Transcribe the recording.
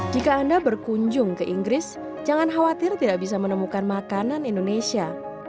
jika anda berkunjung ke inggris jangan khawatir tidak bisa menemukan makanan indonesia